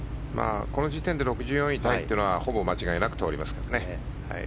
この時点で６４位タイはほぼ間違いなく通りますけどね。